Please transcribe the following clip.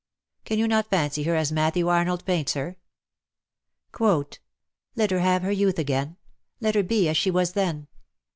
Can you not fancy her as Matthew Arnold paints her ?—" Let her have her youth again — Let her be as she was then